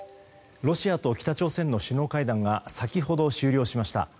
ロシアの北朝鮮の首脳会談が先ほど終了しました。